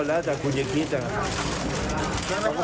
แสนวิชาแสนวิชา